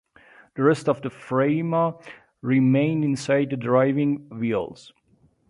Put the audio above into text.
The rest of the frame remained inside the driving wheels.